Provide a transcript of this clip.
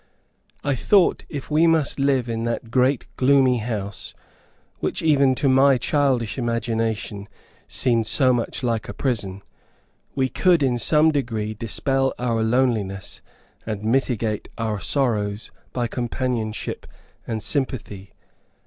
I thought if we must live in that great gloomy house, which even to my childish imagination seemed so much like a prison, we could in some degree dispel our loneliness and mitigate our sorrows, by companionship and sympathy.